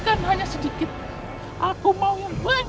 kami kepada yang sudah melindungi desa kami hahaha hahaha hahaha hahaha